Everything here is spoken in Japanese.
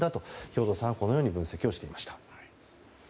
兵頭さんはこのように分析をしていました。